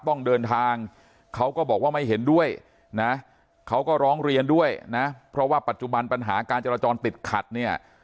ต้องเดินทางเขาก็บอกว่าไม่เห็นด้วยนะเขาก็ร้องเรียนด้วยนะเพราะว่าปัจจุบันปัญหาการจราจรติดขัดเนี่ย